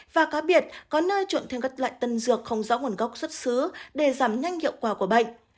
và cá biệt có nơi trộn thêm các loại tân dược không rõ nguồn gốc xuất xứ để giảm nhanh hiệu quả của bệnh